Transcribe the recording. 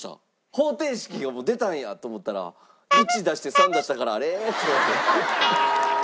方程式が出たんやと思ったら１出して３出したからあれ？って。